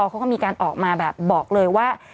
เขาก็มีการออกมาแบบบอกเลยว่า